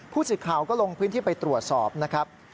ผู้สื่อข่าวก็ลงพื้นที่ไปตรวจสอบนะครับ